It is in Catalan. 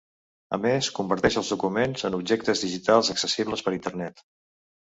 A més converteix els documents en objectes digitals accessibles per internet.